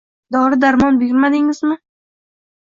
Dori-darmon buyurmadingizmi